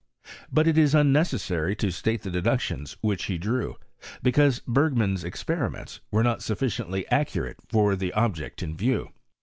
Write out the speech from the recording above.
But it is un necessary to state the deductions which he drew, because Bergman's experiments were not sufficiently accurate for the object in view.